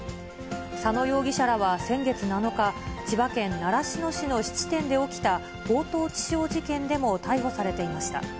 佐野容疑者らは先月７日、千葉県習志野市の質店で起きた強盗致傷事件でも逮捕されていました。